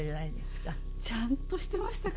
ちゃんとしてましたかね？